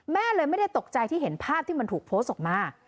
แม่เลยไม่ได้ตกใจที่เห็นภาพที่มันถูกโพสต์ออกมา